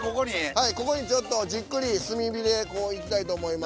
はいここにちょっとじっくり炭火でこういきたいと思います。